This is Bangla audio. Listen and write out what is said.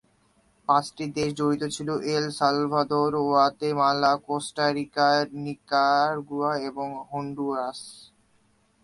পাঁচটি দেশ জড়িত ছিল: El Salvador, Guatemala, Costa Rica, Nicaragua, এবং হন্ডুরাস।